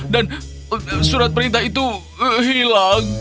dan surat perintah itu hilang